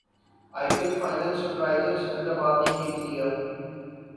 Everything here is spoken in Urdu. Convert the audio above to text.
ائی P L final Sunrisers Hyderabad نے جیت لیا